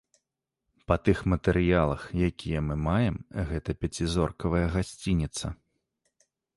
Па тых матэрыялах, якія мы маем, гэта пяцізоркавая гасцініца.